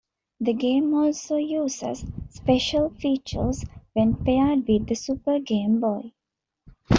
The game also uses special features when paired with the Super Game Boy.